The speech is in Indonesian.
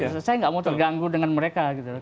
saya nggak mau terganggu dengan mereka